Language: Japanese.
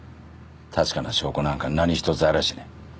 確かな証拠なんか何一つありゃしねえ。